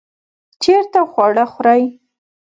چیرته خواړه خورئ؟